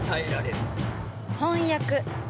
翻訳。